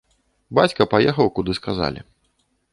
Бацька паехаў, куды сказалі.